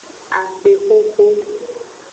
Akpexoxo.